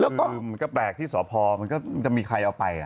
ก็คือมันก็แปลกที่สพมันก็จะมีใครเอาไป